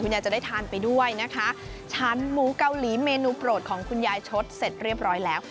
ยายจะได้ทานไปด้วยนะคะชั้นหมูเกาหลีเมนูโปรดของคุณยายชดเสร็จเรียบร้อยแล้ว